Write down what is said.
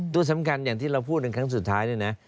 ตัวสำคัญอย่างที่เราพูดเป็นครั้งสุดท้ายเนี่ยนะ